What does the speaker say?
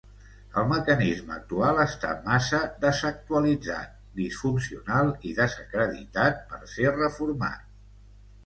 El mecanisme actual està massa desactualitzat, disfuncional i desacreditat per ser reformat.